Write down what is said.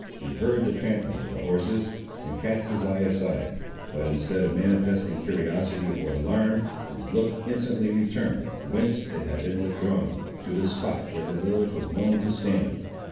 He heard the trampling of the horses, and cast his eye aside, but instead of manifesting curiosity or alarm, his look instantly returned whence it had been withdrawn, to the spot where the village was known to stand.